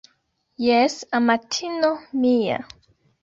Jes, amatino mia